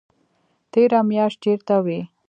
تېره میاشت چیرته وئ؟